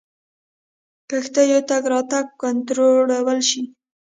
کښتیو تګ راتګ کنټرول شي.